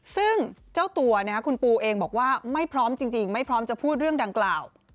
ซึ่งเจ้าตัวคุณปูเองบอกว่าไม่พร้อมจริงไม่พร้อมจะพูดเรื่องดังกล่าว